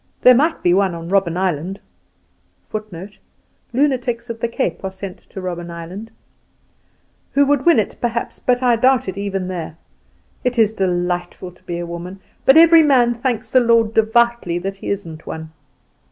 There might be one on Robbin Island (lunatics at the Cape are sent to Robbin Island) who would win it perhaps, but I doubt it even there. It is delightful to be a woman; but every man thanks the Lord devoutly that he isn't one."